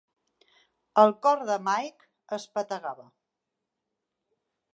El cor de Mike espetegava.